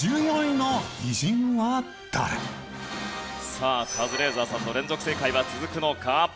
さあカズレーザーさんの連続正解は続くのか？